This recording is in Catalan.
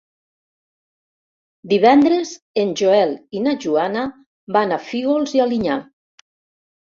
Divendres en Joel i na Joana van a Fígols i Alinyà.